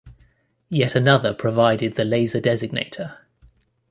Yet another provided the laser designator.